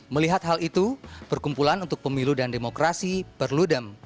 melihat hal itu perkumpulan untuk pemilu dan demokrasi perludem